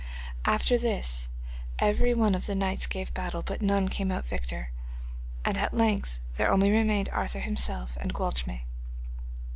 After this every one of the knights gave battle, but none came out victor, and at length there only remained Arthur himself and Gwalchmai.